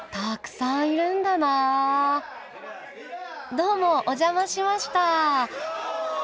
どうもお邪魔しました。